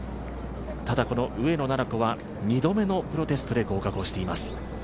上野菜々子は、２度目のプロテストで合格をしています。